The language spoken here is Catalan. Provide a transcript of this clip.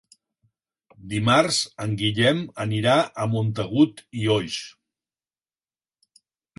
Dimarts en Guillem anirà a Montagut i Oix.